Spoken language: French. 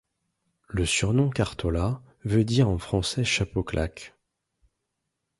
Le surnom Cartola veut dire en français chapeau claque.